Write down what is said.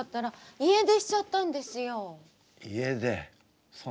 家出？